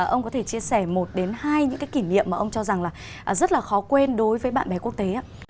ông có thể chia sẻ một đến hai những cái kỷ niệm mà ông cho rằng là rất là khó quên đối với bạn bè quốc tế ạ